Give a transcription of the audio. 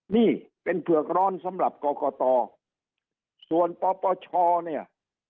นี่เป็นเผือกร้อนสำหรับกรกตส่วนปปชเนี่ย